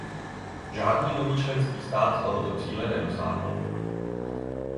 Žádný nový členský stát tohoto cíle nedosáhl.